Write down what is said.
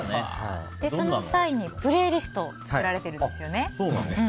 その際にプレイリストを作られているんですよね。